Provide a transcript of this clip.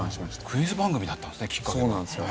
クイズ番組だったんですねきっかけが。